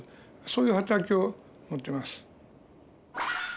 そういうはたらきを持ってます。